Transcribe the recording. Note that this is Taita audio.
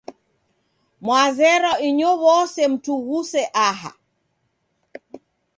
Mwazerwa inyow'ose mtughuse aha.